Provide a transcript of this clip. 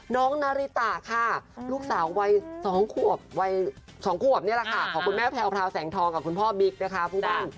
น้องนาริตาค่ะลูกสาววัย๒ควบนี่แหละค่ะของคุณแม่ภาวแสงทองและคุณพ่อบิ๊กต์นะคะ